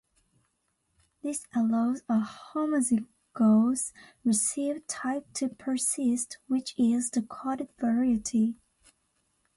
This allows a homozygous recessive type to persist, which is the coated variety.